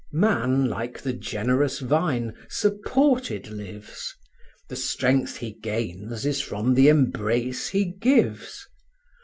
Man, like the generous vine, supported lives; The strength he gains is from the embrace he gives.